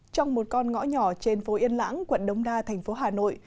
trong một con ngõ nhỏ trên phố yên lãng quận đông đa thành phố hà nội